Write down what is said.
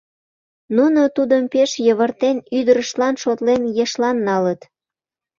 Нуно тудым, пеш йывыртен, ӱдырыштлан шотлен, ешлан налыт.